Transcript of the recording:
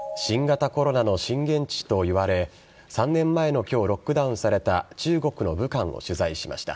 新型コロナの震源地といわれ、３年前のきょう、ロックダウンされた中国の武漢を取材しました。